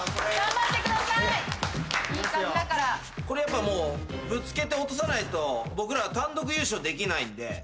これやっぱもうぶつけて落とさないと僕ら単独優勝できないんで。